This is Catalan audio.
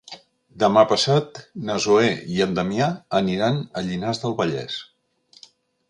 Demà passat na Zoè i en Damià aniran a Llinars del Vallès.